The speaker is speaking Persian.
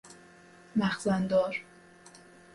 مخزن دار